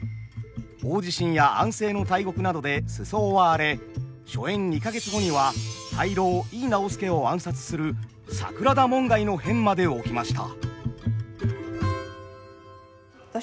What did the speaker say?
大地震や安政の大獄などで世相は荒れ初演二か月後には大老井伊直弼を暗殺する桜田門外の変まで起きました。